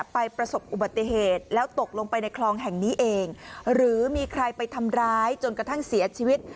ประสบอุบัติเหตุแล้วตกลงไปในคลองแห่งนี้เองหรือมีใครไปทำร้ายจนกระทั่งเสียชีวิต